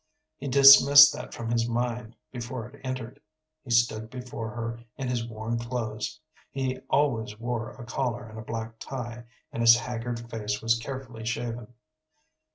He dismissed that from his mind before it entered. He stood before her in his worn clothes. He always wore a collar and a black tie, and his haggard face was carefully shaven.